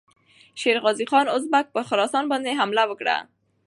شېرغازي خان اوزبک پر خراسان باندې حمله وکړه.